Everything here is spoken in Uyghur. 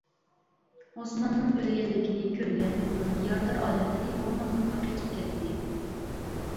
ئوسماننىڭ ئۆلگەنلىكىنى كۆرگەن ئۇنىڭ يارىدار ئادەملىرى ئورمانلىققا قېچىپ كەتتى.